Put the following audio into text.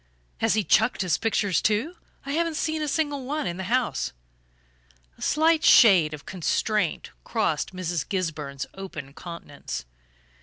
"Has he chucked his pictures too? I haven't seen a single one in the house." A slight shade of constraint crossed Mrs. Gisburn's open countenance.